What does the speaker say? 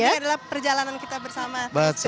yang penting adalah perjalanan kita bersama